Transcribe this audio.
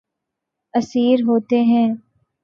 اسیر ہوتے ہیں